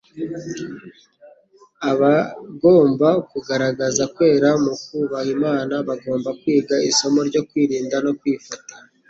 Abagomba kugaragaza kwera mu kubaha Imana bagomba kwiga isomo ryo kwirinda no kwifata.